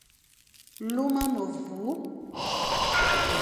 Luma memvur,